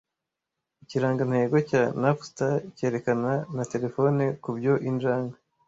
Ikirangantego cya Napstar cyerekana na terefone kubyo injangwe